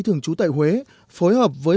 thường trú tại huế phối hợp với